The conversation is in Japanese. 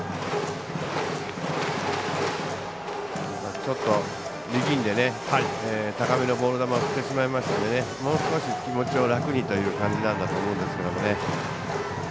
ちょっと力んで高めのボール球を振ってしまいましたのでもう少し、気持ちを楽にという感じなんだと思いますけどね。